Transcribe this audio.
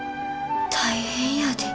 大変やで。